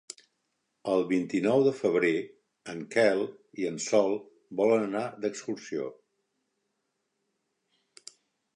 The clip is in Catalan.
El vint-i-nou de febrer en Quel i en Sol volen anar d'excursió.